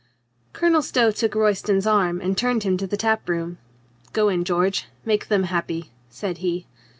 Colonel Stow took Royston's arm and turned him to the tap room. "Go in, George. Make them happy," said he.